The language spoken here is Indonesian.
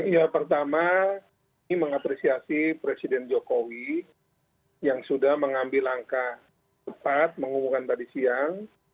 ya pertama ini mengapresiasi presiden jokowi yang sudah mengambil langkah cepat mengumumkan tadi siang